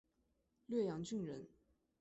略阳郡人。